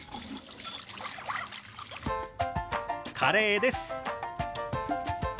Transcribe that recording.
カレーです。